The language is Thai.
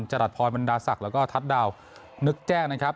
รัชพรบรรดาศักดิ์แล้วก็ทัศน์ดาวนึกแจ้งนะครับ